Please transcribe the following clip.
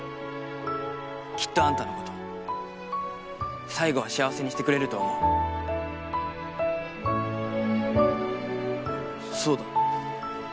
きっとあんたのこと最後は幸せにしてくれると思うそうだ